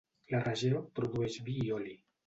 La regió produeix vi i oli.